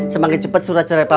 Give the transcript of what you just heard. semangat cepat surat cerai palsu